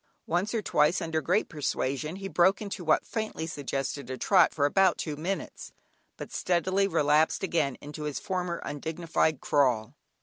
Once or twice, under great persuasion, he broke into what faintly suggested a trot, for about two minutes, but speedily relapsed again into his former undignified crawl.